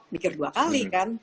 pikir dua kali kan